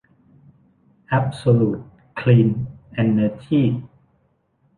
แอ๊บโซลูท คลีน เอ็นเนอร์จี้